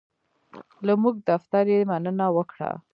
له زمونږ دفتر یې مننه وکړه.